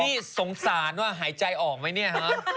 นี่สงสารว่าหายใจออกมั้ยเนี้ย